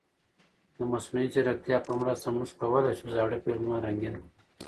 د مصنوعي ځیرکتیا په مرسته موږ کولای شو زاړه فلمونه رنګین کړو.